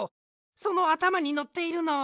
そのあたまにのっているのは。